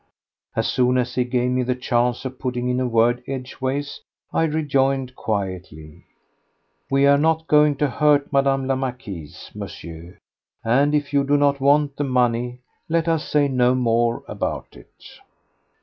As soon as he gave me the chance of putting in a word edgeways I rejoined quietly: "We are not going to hurt Madame la Marquise, Monsieur; and if you do not want the money, let us say no more about it."